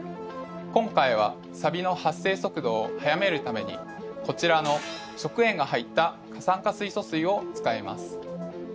今回はサビの発生速度を速めるためにこちらの食塩が入った過酸化水素水を使います。